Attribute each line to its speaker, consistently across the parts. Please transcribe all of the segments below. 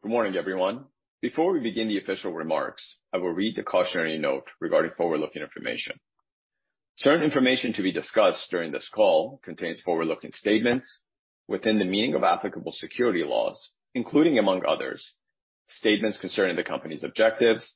Speaker 1: Good morning, everyone. Before we begin the official remarks, I will read the cautionary note regarding forward-looking information. Certain information to be discussed during this call contains forward-looking statements within the meaning of applicable securities laws, including among others, statements concerning the company's objectives,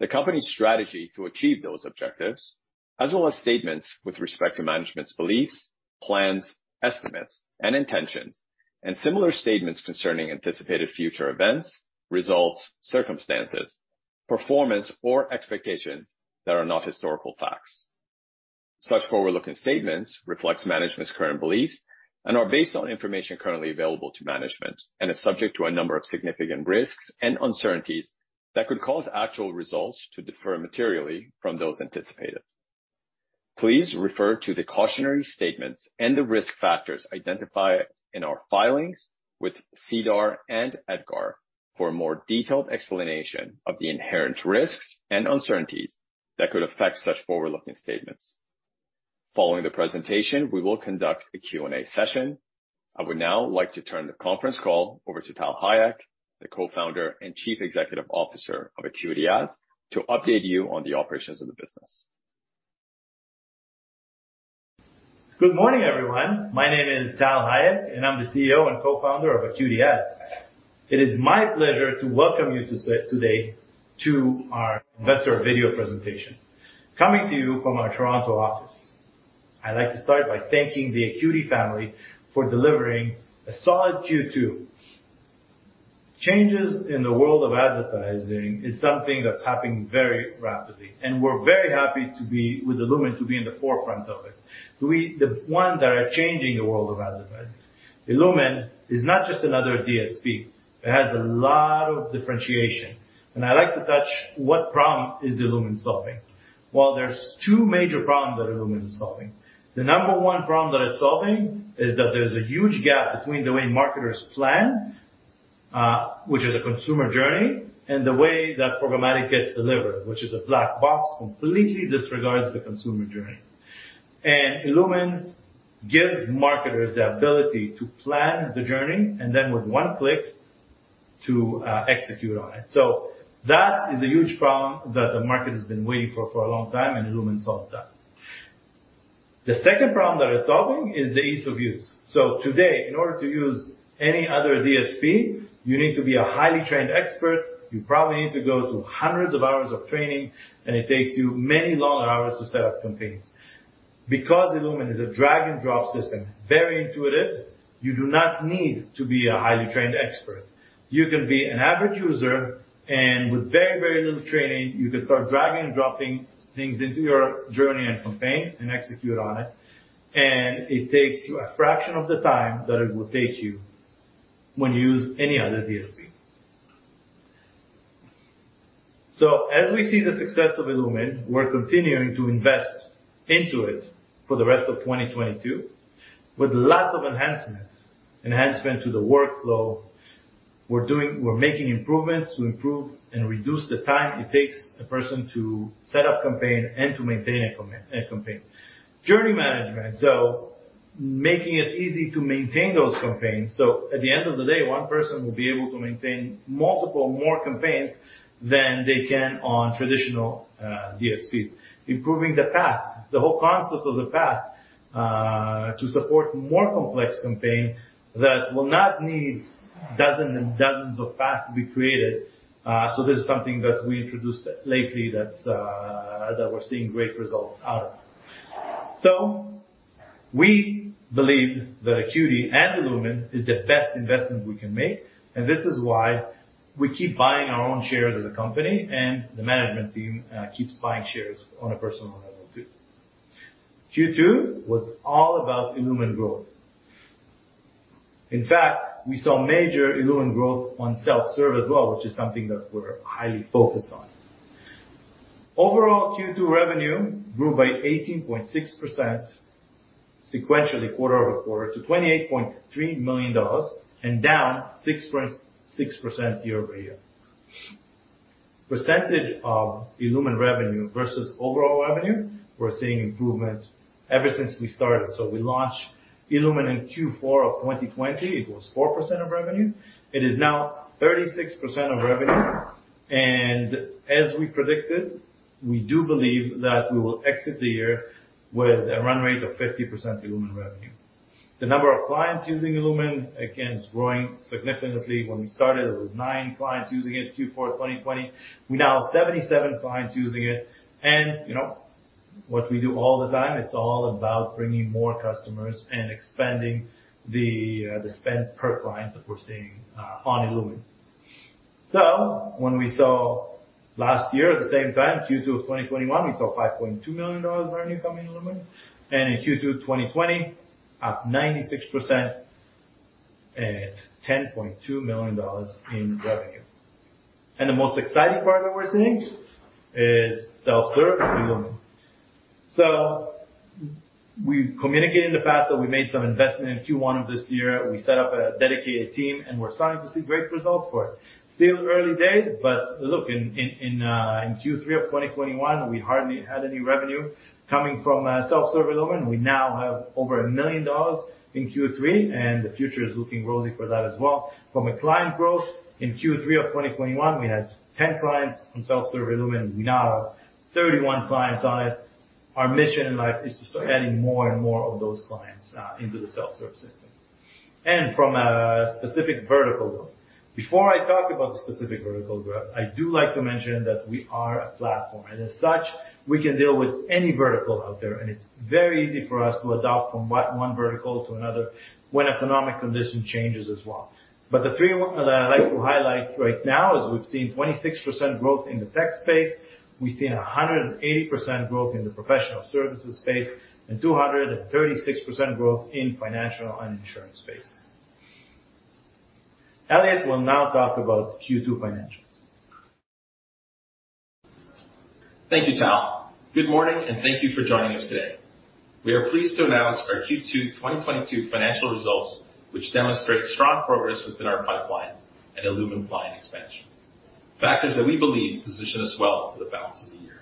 Speaker 1: the company's strategy to achieve those objectives, as well as statements with respect to management's beliefs, plans, estimates and intentions, and similar statements concerning anticipated future events, results, circumstances, performance or expectations that are not historical facts. Such forward-looking statements reflects management's current beliefs and are based on information currently available to management and is subject to a number of significant risks and uncertainties that could cause actual results to differ materially from those anticipated. Please refer to the cautionary statements and the risk factors identified in our filings with SEDAR and EDGAR for a more detailed explanation of the inherent risks and uncertainties that could affect such forward-looking statements. Following the presentation, we will conduct a Q&A session. I would now like to turn the conference call over to Tal Hayek, the Co-Founder and Chief Executive Officer of Acuity Ads, to update you on the operations of the business.
Speaker 2: Good morning, everyone. My name is Tal Hayek, and I'm the CEO and co-founder of Acuity Ads. It is my pleasure to welcome you to today to our investor video presentation. Coming to you from our Toronto office. I'd like to start by thanking the Acuity family for delivering a solid Q2. Changes in the world of advertising is something that's happening very rapidly, and we're very happy with illumin to be in the forefront of it. the ones that are changing the world of advertising. illumin is not just another DSP. It has a lot of differentiation. I like to touch what problem is illumin solving. Well, there's two major problems that illumin is solving. The number one problem that it's solving is that there's a huge gap between the way marketers plan, which is a consumer journey, and the way that programmatic gets delivered, which is a black box, completely disregards the consumer journey. illumin gives marketers the ability to plan the journey and then with one click to execute on it. That is a huge problem that the market has been waiting for a long time, and illumin solves that. The second problem that it's solving is the ease of use. Today, in order to use any other DSP, you need to be a highly trained expert. You probably need to go through hundreds of hours of training, and it takes you many more hours to set up campaigns. Because illumin is a drag-and-drop system, very intuitive, you do not need to be a highly trained expert. You can be an average user and with very, very little training, you can start dragging and dropping things into your journey and campaign and execute on it. It takes you a fraction of the time that it will take you when you use any other DSP. As we see the success of illumin, we're continuing to invest into it for the rest of 2022, with lots of enhancements. Enhancement to the workflow. We're making improvements to improve and reduce the time it takes a person to set up campaign and to maintain a campaign. Journey management. Making it easy to maintain those campaigns. At the end of the day, one person will be able to maintain multiple more campaigns than they can on traditional DSPs. Improving the path, the whole concept of the path, to support more complex campaign that will not need dozens and dozens of paths to be created. This is something that we introduced lately that's that we're seeing great results out of. We believe that Acuity and illumin is the best investment we can make, and this is why we keep buying our own shares as a company, and the management team keeps buying shares on a personal level too. Q2 was all about illumin growth. In fact, we saw major illumin growth on self-serve as well, which is something that we're highly focused on. Overall Q2 revenue grew by 18.6% sequentially quarter-over-quarter to $28.3 million and down 6.6% year-over-year. Percentage of illumin revenue versus overall revenue, we're seeing improvement ever since we started. We launched illumin in Q4 of 2020. It was 4% of revenue. It is now 36% of revenue. As we predicted, we do believe that we will exit the year with a run rate of 50% illumin revenue. The number of clients using illumin, again, is growing significantly. When we started, it was nine clients using it, Q4 2020. We now have 77 clients using it. You know what we do all the time, it's all about bringing more customers and expanding the spend per client that we're seeing on illumin. When we saw last year at the same time, Q2 of 2021, we saw $5.2 million revenue coming in illumin. In Q2 2020, up 96% at $10.2 million in revenue. The most exciting part that we're seeing is self-serve in illumin. We've communicated in the past that we made some investment in Q1 of this year. We set up a dedicated team, and we're starting to see great results for it. Still early days, in Q3 of 2021, we hardly had any revenue coming from self-serve illumin. We now have over $1 million in Q3, and the future is looking rosy for that as well. From a client growth in Q3 of 2021, we had 10 clients on self-serve illumin. We now have 31 clients on it. Our mission in life is to start adding more and more of those clients into the self-serve system. From a specific vertical growth. Before I talk about the specific vertical growth, I do like to mention that we are a platform, and as such, we can deal with any vertical out there, and it's very easy for us to adapt from one vertical to another when economic condition changes as well. The three that I'd like to highlight right now is we've seen 26% growth in the tech space. We've seen 180% growth in the professional services space, and 236% growth in financial and insurance space. Elliot will now talk about Q2 financials.
Speaker 3: Thank you, Tal. Good morning, and thank you for joining us today. We are pleased to announce our Q2 2022 financial results, which demonstrate strong progress within our pipeline and illumin client expansion. Factors that we believe position us well for the balance of the year.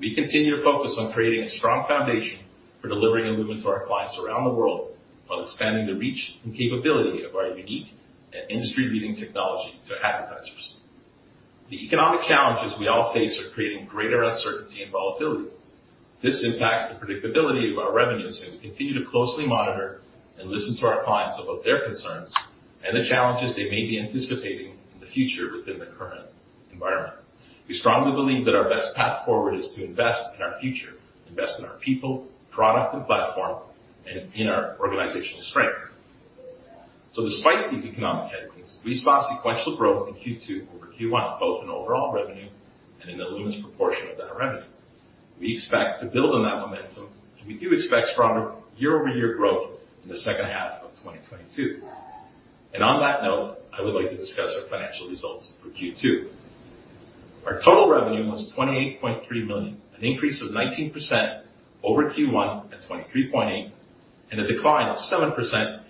Speaker 3: We continue to focus on creating a strong foundation for delivering illumin to our clients around the world while expanding the reach and capability of our unique and industry-leading technology to advertisers. The economic challenges we all face are creating greater uncertainty and volatility. This impacts the predictability of our revenues, and we continue to closely monitor and listen to our clients about their concerns and the challenges they may be anticipating in the future within the current environment. We strongly believe that our best path forward is to invest in our future, invest in our people, product and platform, and in our organizational strength. Despite these economic headwinds, we saw sequential growth in Q2 over Q1, both in overall revenue and in illumin's proportion of that revenue. We expect to build on that momentum, and we do expect stronger year-over-year growth in the second half of 2022. On that note, I would like to discuss our financial results for Q2. Our total revenue was 28.3 million, an increase of 19% over Q1 at 23.8 million and a decline of 7%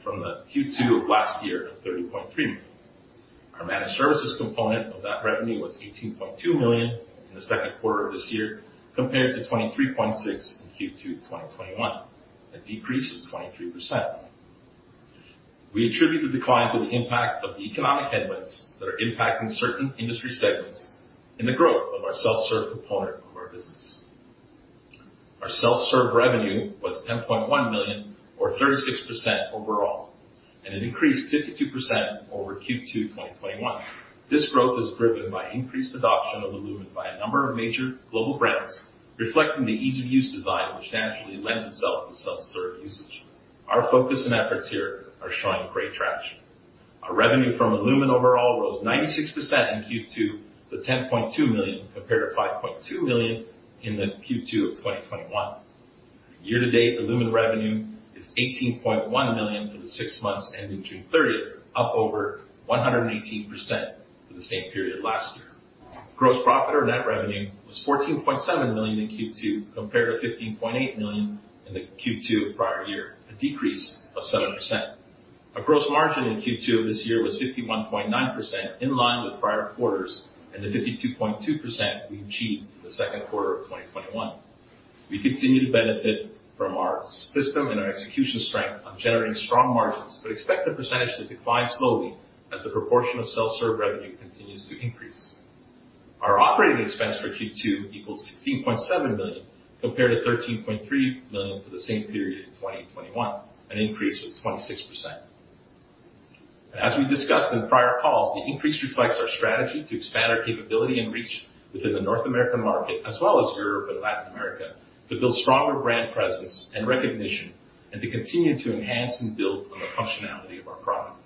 Speaker 3: from the Q2 of last year of 30.3 million. Our managed services component of that revenue was 18.2 million in the second quarter of this year compared to 23.6 million in Q2 2021, a decrease of 23%. We attribute the decline to the impact of the economic headwinds that are impacting certain industry segments and the growth of our self-serve component of our business. Our self-serve revenue was 10.1 million or 36% overall, and it increased 52% over Q2 2021. This growth is driven by increased adoption of illumin by a number of major global brands, reflecting the ease of use design, which naturally lends itself to self-serve usage. Our focus and efforts here are showing great traction. Our revenue from illumin overall rose 96% in Q2 to 10.2 million, compared to 5.2 million in the Q2 of 2021. Year to date, illumin revenue is 18.1 million for the six months ending June 30th, up over 118% for the same period last year. Gross profit or net revenue was 14.7 million in Q2, compared to 15.8 million in the Q2 of the prior year, a decrease of 7%. Our gross margin in Q2 of this year was 51.9% in line with prior quarters and the 52.2% we achieved in the second quarter of 2021. We continue to benefit from our system and our execution strength on generating strong margins, but expect the percentage to decline slowly as the proportion of self-serve revenue continues to increase. Our operating expense for Q2 equals 16.7 million, compared to 13.3 million for the same period in 2021, an increase of 26%. As we discussed in prior calls, the increase reflects our strategy to expand our capability and reach within the North American market, as well as Europe and Latin America, to build stronger brand presence and recognition and to continue to enhance and build on the functionality of our product.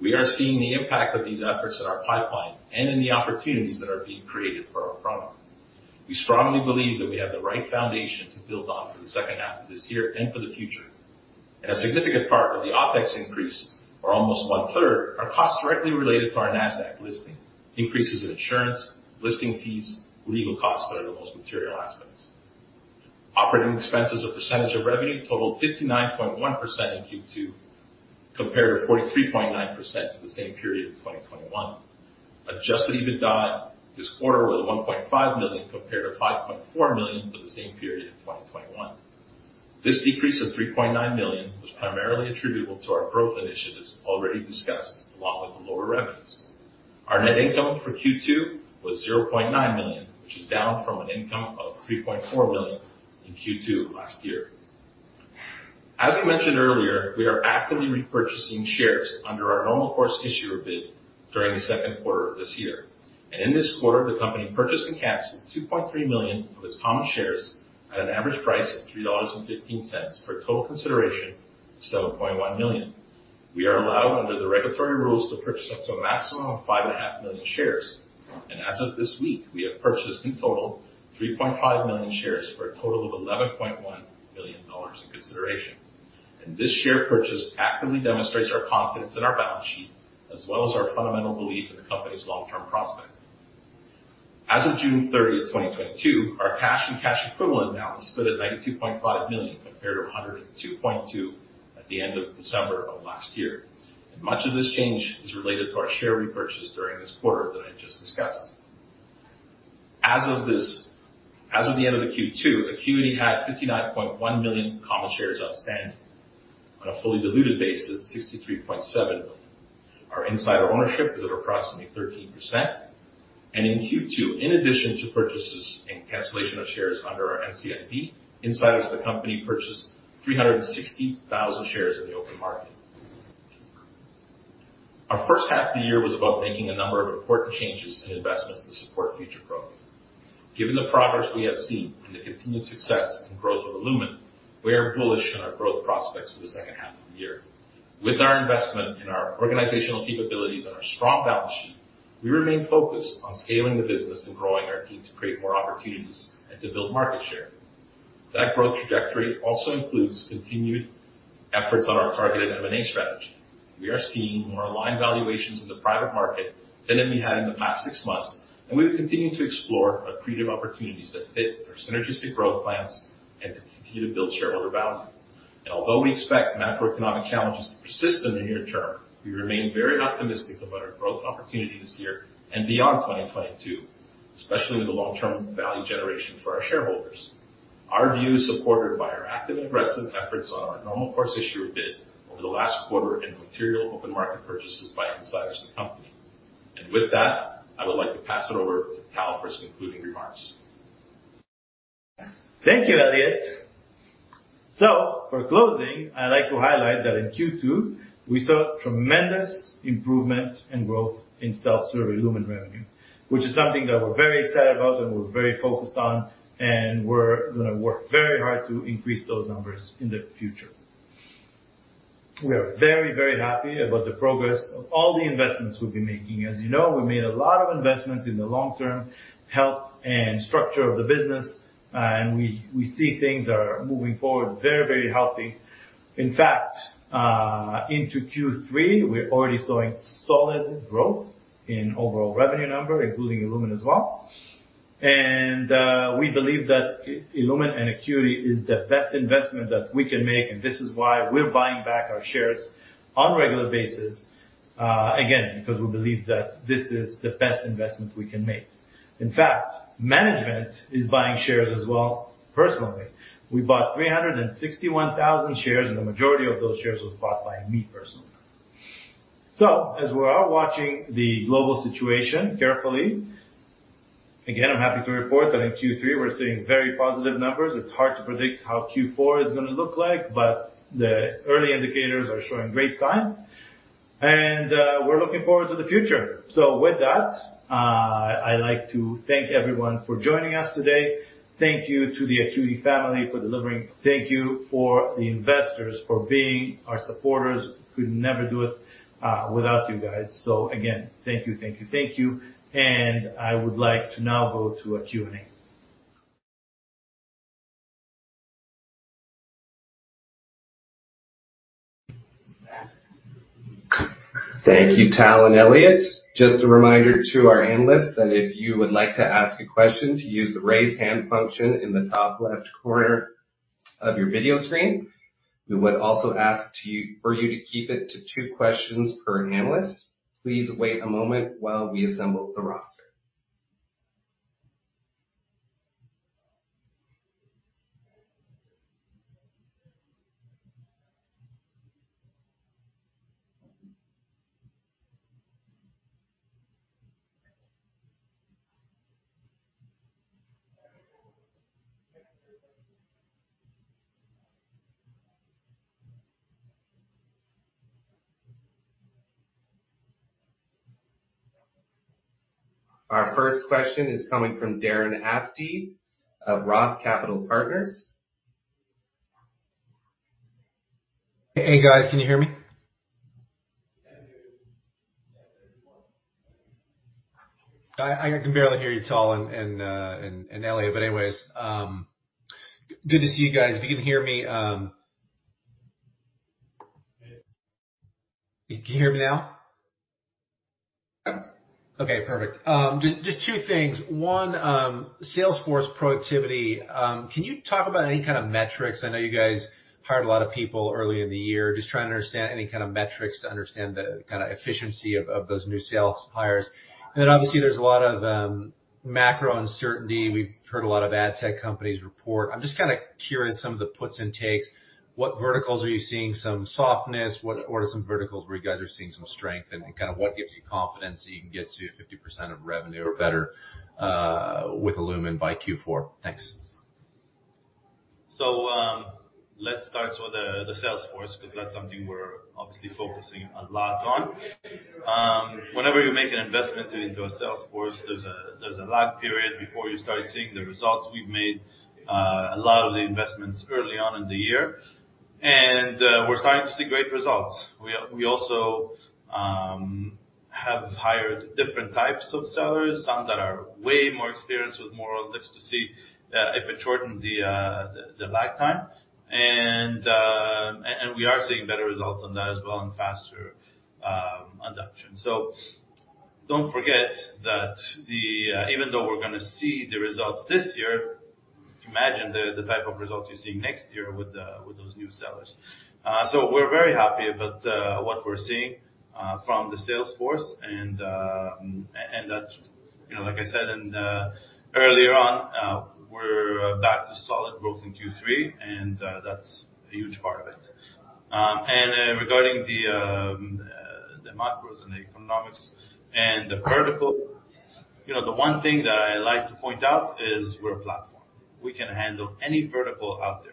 Speaker 3: We are seeing the impact of these efforts in our pipeline and in the opportunities that are being created for our product. We strongly believe that we have the right foundation to build on for the second half of this year and for the future, and a significant part of the OpEx increase are almost 1/3, a cost directly related to our Nasdaq listing. Increases in insurance, listing fees, legal costs that are the most material aspects. Operating expenses as a percentage of revenue totaled 59.1% in Q2, compared to 43.9% for the same period in 2021. Adjusted EBITDA this quarter was 1.5 million, compared to 5.4 million for the same period in 2021. This decrease of 3.9 million was primarily attributable to our growth initiatives already discussed, along with the lower revenues. Our net income for Q2 was 0.9 million, which is down from an income of 3.4 million in Q2 last year. We are actively repurchasing shares under our normal course issuer bid during the second quarter of this year. In this quarter, the company purchased and canceled 2.3 million of its common shares at an average price of 3.15 dollars for total consideration of 7.1 million. We are allowed under the regulatory rules to purchase up to a maximum of 5.5 million shares. As of this week, we have purchased in total 3.5 million shares for a total of 11.1 million dollars in consideration. This share purchase actively demonstrates our confidence in our balance sheet, as well as our fundamental belief in the company's long-term prospects. As of June 30th, 2022, our cash and cash equivalents balance stood at 92.5 million, compared to 102.2 million at the end of December of last year. Much of this change is related to our share repurchase during this quarter that I just discussed. As of the end of the Q2, Acuity Ads had 59.1 million common shares outstanding. On a fully-diluted basis, 63.7 million. Our insider ownership is at approximately 13%. In Q2, in addition to purchases and cancellation of shares under our NCIB, insiders of the company purchased 360,000 shares in the open market. Our first half of the year was about making a number of important changes and investments to support future growth. Given the progress we have seen and the continued success and growth of illumin, we are bullish on our growth prospects for the second half of the year. With our investment in our organizational capabilities and our strong balance sheet, we remain focused on scaling the business and growing our team to create more opportunities and to build market share. That growth trajectory also includes continued efforts on our targeted M&A strategy. We are seeing more aligned valuations in the private market than we had in the past six months, and we've continued to explore accretive opportunities that fit our synergistic growth plans and to continue to build shareholder value. Although we expect macroeconomic challenges to persist in the near term, we remain very optimistic about our growth opportunity this year and beyond 2022, especially with the long-term value generation for our shareholders. Our view is supported by our active, aggressive efforts on our normal course issuer bid over the last quarter and material open market purchases by insiders of the company. With that, I would like to pass it over to Tal for his concluding remarks.
Speaker 2: Thank you, Elliot. For closing, I'd like to highlight that in Q2, we saw tremendous improvement and growth in self-serve illumin revenue, which is something that we're very excited about and we're very focused on, and we're gonna work very hard to increase those numbers in the future. We are very, very happy about the progress of all the investments we've been making. As you know, we made a lot of investments in the long-term health and structure of the business, and we see things are moving forward very, very healthy. In fact, into Q3, we're already seeing solid growth in overall revenue number, including illumin as well. We believe that illumin and Acuity is the best investment that we can make, and this is why we're buying back our shares on regular basis, again, because we believe that this is the best investment we can make. In fact, management is buying shares as well personally. We bought 361,000 shares, and the majority of those shares was bought by me personally. As we are watching the global situation carefully, again, I'm happy to report that in Q3 we're seeing very positive numbers. It's hard to predict how Q4 is gonna look like, but the early indicators are showing great signs. We're looking forward to the future. With that, I'd like to thank everyone for joining us today. Thank you to the Acuity family for delivering. Thank you to the investors for being our supporters. We'd never do it without you guys. So again, thank you, thank you, thank you. I would like to now go to a Q&A.
Speaker 1: Thank you, Tal and Elliot. Just a reminder to our analysts that if you would like to ask a question to use the Raise Hand function in the top left corner of your video screen. We would also ask for you to keep it to two questions per analyst. Please wait a moment while we assemble the roster. Our first question is coming from Darren Aftahi of ROTH Capital Partners.
Speaker 4: Hey, guys, can you hear me?
Speaker 2: Yeah, we do.
Speaker 4: I can barely hear you, Tal and Elliot. Anyways, good to see you guys. If you can hear me.
Speaker 2: Yeah.
Speaker 4: Can you hear me now?
Speaker 2: Yep.
Speaker 4: Okay, perfect. Just two things. One, sales force productivity, can you talk about any kind of metrics? I know you guys hired a lot of people early in the year. Just trying to understand any kind of metrics to understand the kinda efficiency of those new sales hires. Obviously there's a lot of macro uncertainty. We've heard a lot of ad tech companies report. I'm just kinda curious some of the puts and takes. What verticals are you seeing some softness? What or some verticals where you guys are seeing some strength and kind of what gives you confidence that you can get to 50% of revenue or better with illumin by Q4? Thanks.
Speaker 2: Let's start with the sales force because that's something we're obviously focusing a lot on. Whenever you make an investment into a sales force, there's a lag period before you start seeing the results. We've made a lot of the investments early on in the year, and we're starting to see great results. We also.. Have hired different types of sellers, some that are way more experienced with more books of business, if it shortened the lag time. We are seeing better results on that as well and faster adoption. Don't forget that even though we're gonna see the results this year, imagine the type of results you're seeing next year with those new sellers. We're very happy about what we're seeing from the sales force and that, you know, like I said earlier on, we're back to solid growth in Q3, and that's a huge part of it. Regarding the macros and the economics and the vertical, you know, the one thing that I like to point out is we're a platform. We can handle any vertical out there.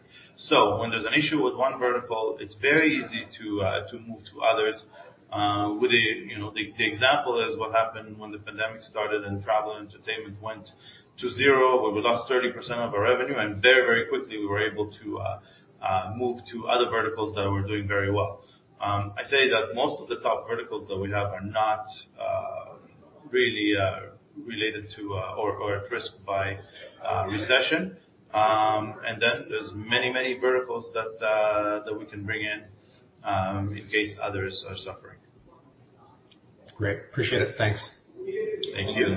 Speaker 2: When there's an issue with one vertical, it's very easy to move to others with, you know. The example is what happened when the pandemic started and travel entertainment went to zero, where we lost 30% of our revenue, and very quickly we were able to move to other verticals that were doing very well. I say that most of the top verticals that we have are not really related to or at risk by recession. There's many verticals that we can bring in in case others are suffering.
Speaker 4: Great. Appreciate it. Thanks.
Speaker 2: Thank you.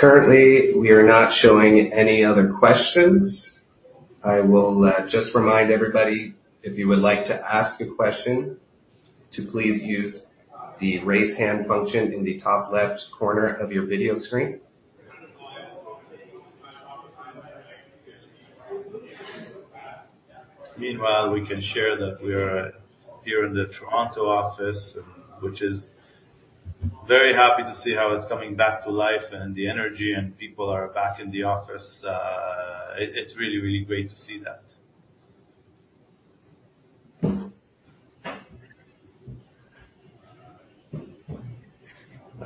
Speaker 1: Currently, we are not showing any other questions. I will just remind everybody, if you would like to ask a question, to please use the Raise Hand function in the top left corner of your video screen.
Speaker 2: Meanwhile, we can share that we are here in the Toronto office, which is very happy to see how it's coming back to life and the energy and people are back in the office. It's really great to see that.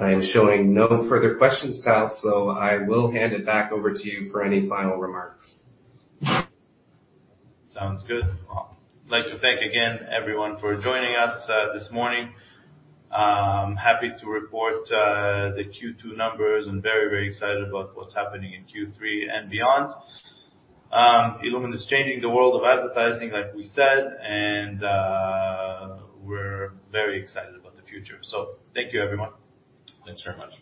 Speaker 1: I am seeing no further questions, Tal, so I will hand it back over to you for any final remarks.
Speaker 2: Sounds good. Well, I'd like to thank again everyone for joining us this morning. Happy to report the Q2 numbers and very, very excited about what's happening in Q3 and beyond. illumin is changing the world of advertising, like we said, and we're very excited about the future. Thank you, everyone. Thanks very much.